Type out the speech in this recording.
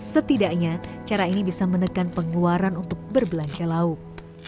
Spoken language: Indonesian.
setidaknya cara ini bisa menekan pengeluaran untuk berbelanja lauk